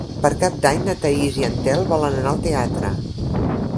Per Cap d'Any na Thaís i en Telm volen anar al teatre.